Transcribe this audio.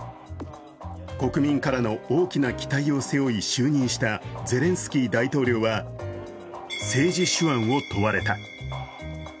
国民からの大きな期待を背負い就任したゼレンスキー大統領は政治手腕を問われた。